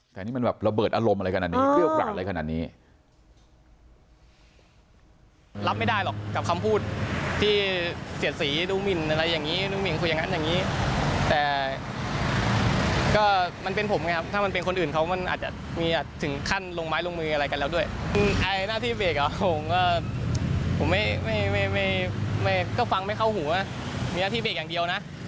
แต่นี่มันแบบระเบิดอารมณ์อะไรขนาดนี้เกรี้ยวกราดอะไรขนาดนี้